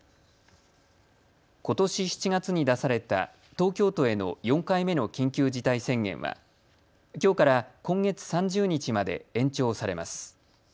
ことし７月に出された東京都への４回目の緊急事態宣言はきょうから今月３０日まで延長されます。